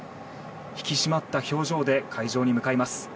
引き締まった表情で会場に向かいます。